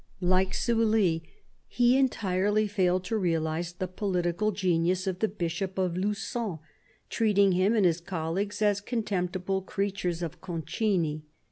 Like Sully, he entirely failed to realise the political genius of the Bishop of Lu^on, treating him and his colleagues as contemptible creatures of Concini.